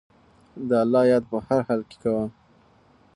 د الله یاد په هر حال کې کوه.